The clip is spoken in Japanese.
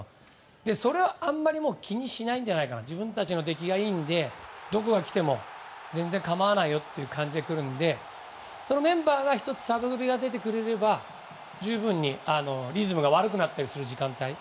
それはあまり気にしないんじゃないか自分たちの出来がいいのでどこがきても、全然構わないよという感じで来るのでそのメンバーが１つ出てくれれば、十分にリズムが悪くなったりする時間帯